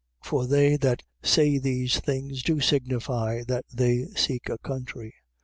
11:14. For they that say these things do signify that they seek a country.